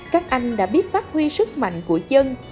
các anh đã biết phát huy sức mạnh của dân